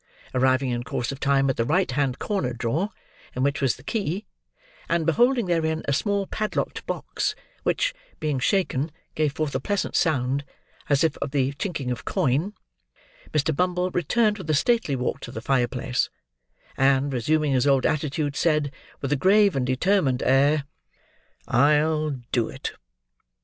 Arriving, in course of time, at the right hand corner drawer (in which was the key), and beholding therein a small padlocked box, which, being shaken, gave forth a pleasant sound, as of the chinking of coin, Mr. Bumble returned with a stately walk to the fireplace; and, resuming his old attitude, said, with a grave and determined air, "I'll do it!"